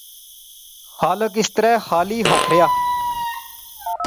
خالق اس طرح خالی ہتھ ریا